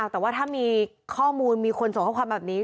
แต่ว่าถ้ามีข้อมูลมีคนส่งข้อความแบบนี้